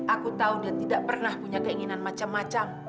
aku tahu dia tidak pernah punya keinginan macam macam